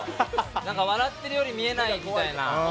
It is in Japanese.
笑ってるように見えないって。